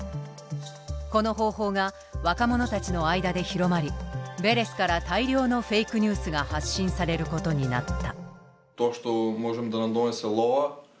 この方法が若者たちの間で広まりヴェレスから大量のフェイクニュースが発信されることになった。